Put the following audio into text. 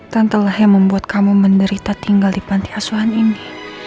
tante lah yang membuat kamu menderita tinggal di panti asuhan ini